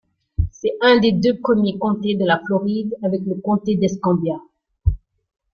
C'est un des deux premiers comtés de la Floride avec le comté d'Escambia.